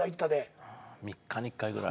３日に１回ぐらい。